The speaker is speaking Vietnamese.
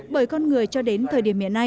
bởi con người cho đến thời điểm